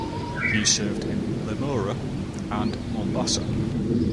He served in Limuru and Mombassa.